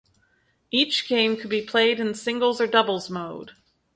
Each game could be played in singles or doubles mode.